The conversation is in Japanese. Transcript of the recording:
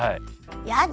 やだ